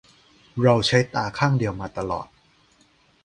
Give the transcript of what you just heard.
เราใช้ตาข้างเดียวมาตลอด